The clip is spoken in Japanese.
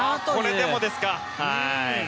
これでもですか。